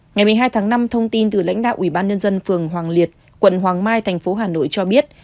ngày một mươi hai tháng năm thông tin từ lãnh đạo ủy ban nhân dân phường hoàng liệt quận hoàng mai thành phố hà nội cho biết